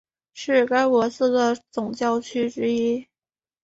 是该国四个总教区之一。